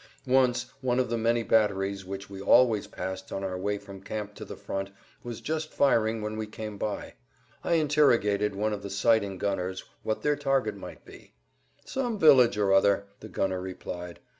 Once one of the many batteries which we always passed on our way from camp to the front was just firing when we came by. I interrogated one of the sighting gunners what their target might be. "Some village or other," the gunner replied.